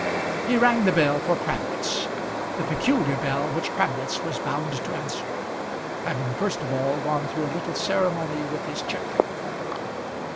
He rang the bell for Crabwitz, the peculiar bell which Crabwitz was bound to answer, having first of all gone through a little ceremony with his cheque book.